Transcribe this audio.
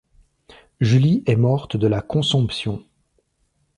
Julie est morte de la consomption.